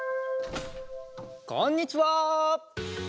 こんにちは！